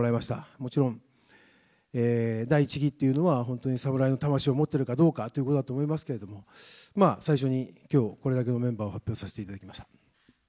もちろん、第一義というのは、本当に侍の魂を持ってるかどうかということだと思いますけれども、最初にきょう、これだけのメンバーを発表させていただきました。